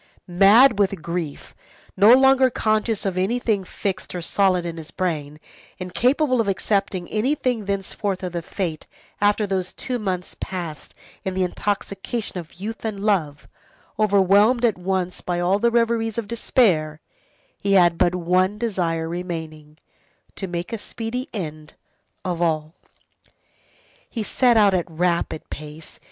Mad with grief, no longer conscious of anything fixed or solid in his brain, incapable of accepting anything thenceforth of fate after those two months passed in the intoxication of youth and love, overwhelmed at once by all the reveries of despair, he had but one desire remaining, to make a speedy end of all. He set out at rapid pace.